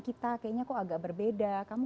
kita kayaknya kok agak berbeda kamu